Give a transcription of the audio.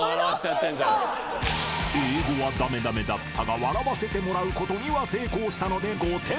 ［英語は駄目駄目だったが笑わせてもらうことには成功したので５点］